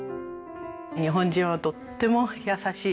日本人はとっても優しい人たち。